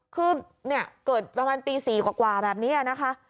คือเนี่ยเกิดประมาณตี๔กว่าแบบนี้นะคะ